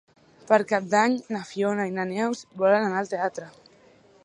Per Cap d'Any na Fiona i na Neus volen anar al teatre.